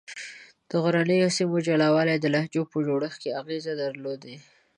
د غرنیو سیمو جلا والي د لهجو په جوړښت کې اغېز درلودلی دی.